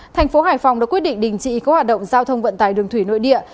thành phố hải phòng đã quyết định đình trị các hoạt động giao thông vận tài đường thủy nội địa